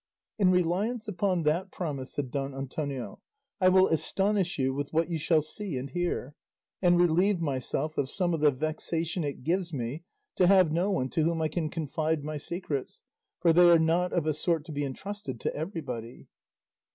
"In reliance upon that promise," said Don Antonio, "I will astonish you with what you shall see and hear, and relieve myself of some of the vexation it gives me to have no one to whom I can confide my secrets, for they are not of a sort to be entrusted to everybody."